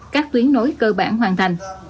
các tuyến nối cơ bản hoàn thành